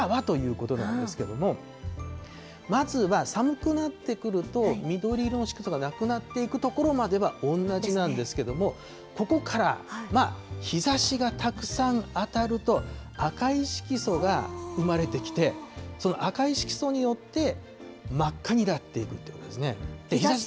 じゃあ赤はということなんですけれども、まずは寒くなってくると、緑色の色素がなくなっていくところまでは同じなんですけれども、ここから、日ざしがたくさん当たると、赤い色素が生まれてきて、その赤い色素によって、真っ赤になっていくということですね。